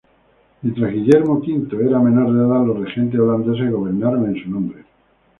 Mientras Guillermo V era menor de edad, los regentes holandeses gobernaron en su nombre.